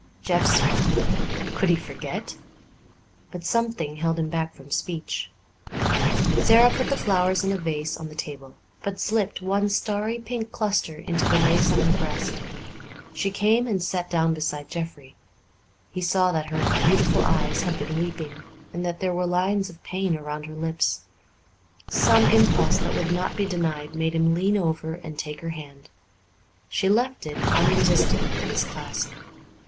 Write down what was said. Jeff smiled. Could he forget? But something held him back from speech. Sara put the flowers in a vase on the table, but slipped one starry pink cluster into the lace on her breast. She came and sat down beside Jeffrey; he saw that her beautiful eyes had been weeping, and that there were lines of pain around her lips. Some impulse that would not be denied made him lean over and take her hand. She left it unresistingly in his clasp.